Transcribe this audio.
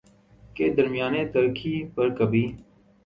کے درمیان تلخی پر کبھی